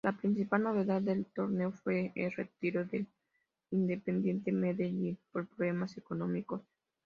La principal novedad del torneo fue el retiro del Independiente Medellín por problemas económicos.